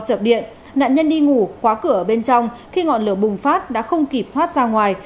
chập điện nạn nhân đi ngủ quá cửa ở bên trong khi ngọn lửa bùng phát đã không kịp thoát ra ngoài